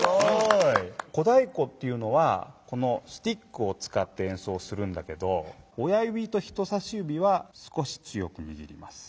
小だいこっていうのはこのスティックを使ってえんそうするんだけど親ゆびと人さしゆびは少し強くにぎります。